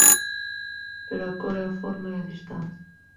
“Pero a cor –e a forma e a distancia!”